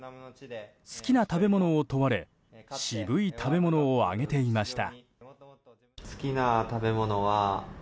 好きな食べ物を問われ渋い食べ物を挙げていました。